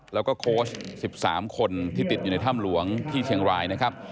แล้วก็โค้ช๑๓คนที่ติดอยู่ในถ้ำหลวงที่เชียงรายนะครับ